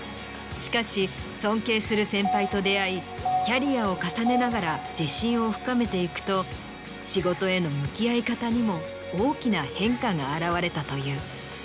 しかし尊敬する先輩と出会いキャリアを重ねながら自信を深めていくと仕事への向き合い方にも大きな変化が表れたという。